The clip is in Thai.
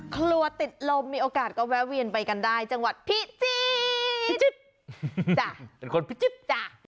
ครัวติดลมมีโอกาสก็แวะเวียนไปกันได้จังหวัดพิจิตร